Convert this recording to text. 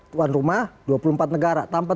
tuan rumah dua puluh empat negara tanpa